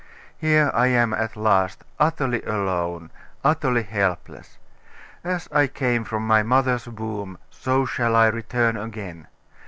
Here I am at last, utterly alone, utterly helpless. As I came from my mother's womb, so shall I return again.